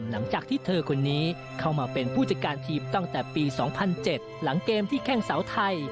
หลังจากที่เธอคนนี้เข้ามาเป็นผู้จัดการทีมตั้งแต่ปี๒๐๐๗หลังเกมที่แข้งเสาไทย